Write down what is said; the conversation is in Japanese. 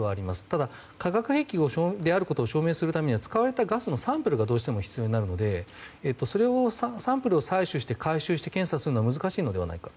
ただ、化学兵器であることを証明するためには使われたガスのサンプルがどうしても必要になるのでサンプルを採取して、回収して検査するのは難しいのではないか。